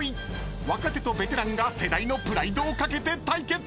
［若手とベテランが世代のプライドを懸けて対決！］